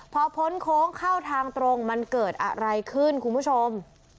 พอพ้นโค้งเข้าทางตรงมันเกิดอะไรขึ้นคุณผู้ชม